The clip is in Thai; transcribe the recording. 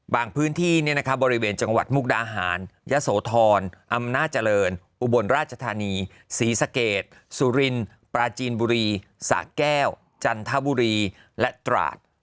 พื้นที่บริเวณจังหวัดมุกดาหารยะโสธรอำนาจเจริญอุบลราชธานีศรีสะเกดสุรินปราจีนบุรีสะแก้วจันทบุรีและตราด